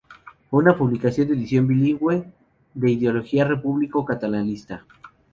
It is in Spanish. Fue una publicación de edición bilingüe y de ideología republicano-catalanista.